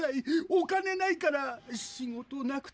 お金ないから仕事なくって。